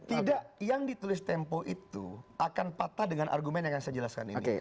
tidak yang ditulis tempo itu akan patah dengan argumen yang saya jelaskan ini